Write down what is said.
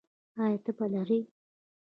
ایا تبه لرئ؟